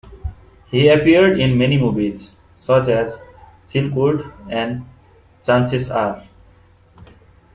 He appeared in many movies, such as "Silkwood" and "Chances Are".